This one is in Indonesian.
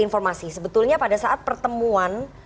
informasi sebetulnya pada saat pertemuan